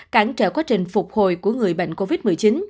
cản trở quá trình phục hồi của người bệnh covid một mươi chín